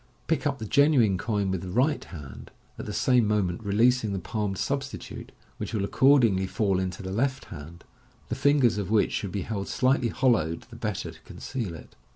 Pick up the genuine coin with the right hand, at the same moment releasing the palmed substitute, which will accordingly fall into the left hand, the fingers of which should be held slightly hollowed, the better to con ceal it.